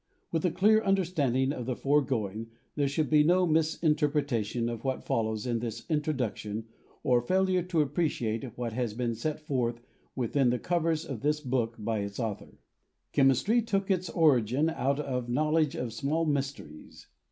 With a clear understanding of the foregoing ther should be no misin terpretation of what follows in this "Introduction" or failure to appreciate what has been set forth within the covers of this book by its author. Chemistry took its origin out of knowledge of small mysteries.